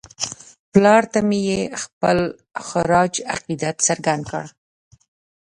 پلار ته مې یې خپل خراج عقیدت څرګند کړ.